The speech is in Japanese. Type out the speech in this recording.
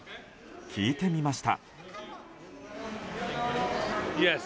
聞いてみました。